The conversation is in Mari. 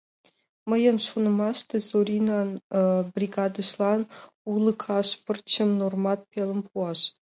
Мыйын шонымаште, Зоринан бригадыжлан урлыкаш пырчым нормат пелым пуаш.